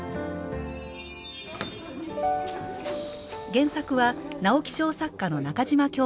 原作は直木賞作家の中島京子さん。